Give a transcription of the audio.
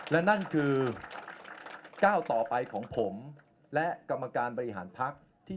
และนั่นคือก้าวต่อไปของผมและกรรมการบริหารพัก